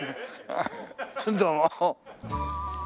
どうも。